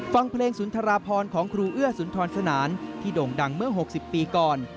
ฟังเพลงสุนทราพรของครูเอื้อสุนทรสนานที่โด่งดังเมื่อ๖๐ปีก่อน